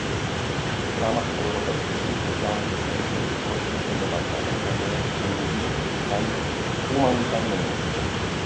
w ramach Europejskiej Służby Działań Zewnętrznych utworzyliśmy departament zajmujący się głównie kryzysami humanitarnymi